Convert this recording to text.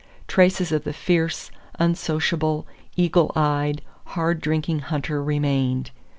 Traces of the fierce, unsociable, eagle eyed, hard drinking hunter remained.